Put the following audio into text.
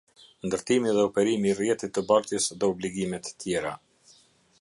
Ndërtimi dhe operimi i rrjetit të bartjes dhe obligimet tjera.